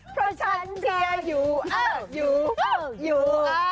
เพราะฉันเชียร์อยู่อยู่